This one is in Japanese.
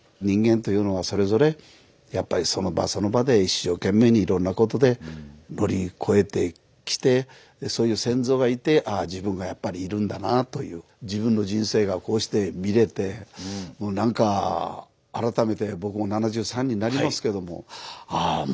人間というのはそれぞれやっぱりその場その場で一生懸命にいろんなことで乗り越えてきてそういう先祖がいてああ自分がやっぱりいるんだなという自分の人生がこうして見れてもう何か改めて僕も７３になりますけれどもああ